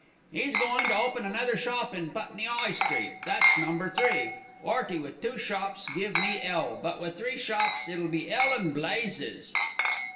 "'E's goin' to open another shop in Putney 'Igh Street, that's number three. 'Earty with two shops give me 'ell; but with three shops it'll be 'ell and blazes."